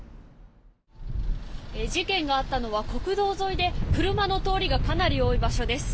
事件があったのは国道沿いで車の通りがかなり多い場所です。